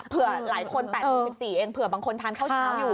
เผื่อหลายคน๘๔เพื่อบางคนทานเข้าช้าอยู่